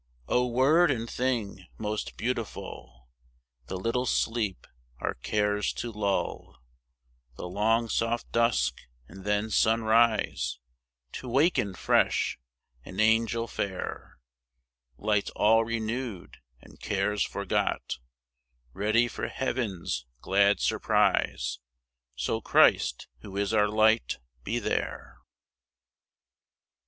O, word and thing most beautiful! The little sleep our cares to lull, The long, soft dusk and then sunrise, To waken fresh and angel fair, Lite all renewed and cares forgot, Ready for Heaven's glad surprise. So Christ, who is our Light, be there.